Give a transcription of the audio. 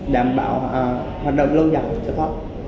đảm bảo hoạt động lâu dài cho talk